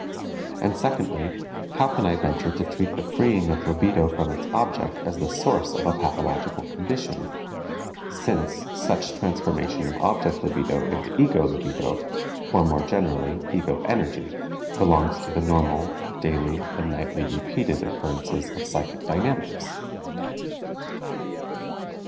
And, secondly, how can I venture to treat the freeing of libido from its object as the source of a pathological condition, since such transformation of object libido into ego libido or more generally, ego energy belongs to the normal, daily and nightly repeated occurrences of psychic dynamics?